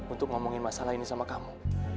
untuk ngomongin masalah ini sama kamu